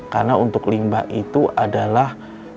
karena untuk limbah itu adalah